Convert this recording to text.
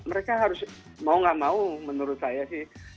mereka harus mau gak mau menurut saya sih